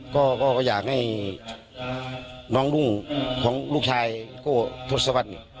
ก็ก็อยากให้น้องลุงของลูกชายโก่ทศวรรษเนี่ย